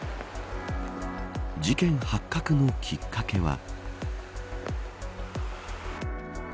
事件発覚のきっかけは。